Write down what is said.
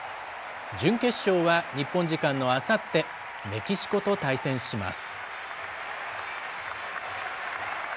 準決勝は日本時間のあさって、メキシコと対戦します。